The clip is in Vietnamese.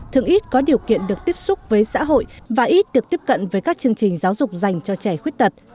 thường ít có điều kiện được tiếp xúc với xã hội và ít được tiếp cận với các chương trình giáo dục dành cho trẻ khuyết tật